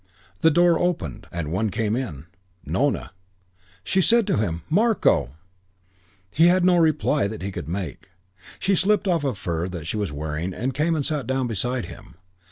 The door opened and one came in. Nona. She said to him, "Marko!" He had no reply that he could make. She slipped off a fur that she was wearing and came and sat down beside him.